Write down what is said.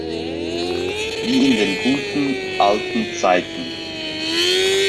Wie in den guten, alten Zeiten!